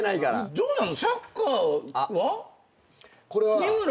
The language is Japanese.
そうなの。